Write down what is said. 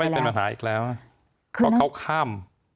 ไม่เป็นปัญหาอีกแล้วเพราะเขาข้าม